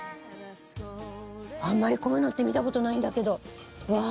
あんまりこういうのって見たことないんだけど。わ！